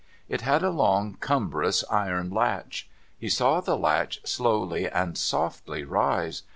It had a long, cumbrous iron latch. He saw the latch slowly and softly rise.